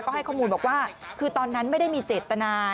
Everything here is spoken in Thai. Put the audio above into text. ก็ให้ข้อมูลบอกว่าคือตอนนั้นไม่ได้มีเจตนา